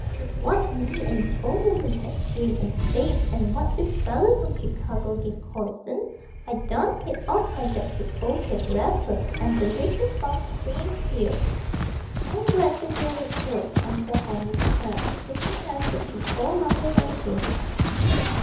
With what me and the ol' woman had scrimped and saved, an' what this feller from Chicago give Corson, I done paid off my debt to ol' Ged Raffer, an' the little farm's free and clear." "I'm glad to hear it, Tobe," Uncle Henry declared, shaking hands with the old lumberman again.